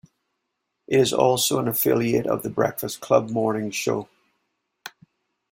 It is also an affiliate of The Breakfast Club morning show.